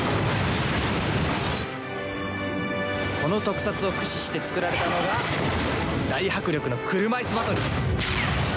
この特撮を駆使して作られたのが大迫力の車いすバトル。